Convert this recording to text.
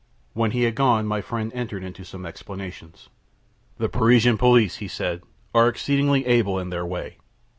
When he had gone, my friend entered into some explanation. "The Parisian police," he said, "are exceedingly able in their way.